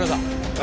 え？